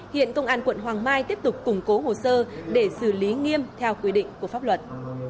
hiện công an quận hoàng mai tiếp tục củng cố hồ sơ để xử lý nghiêm theo quy định của pháp luật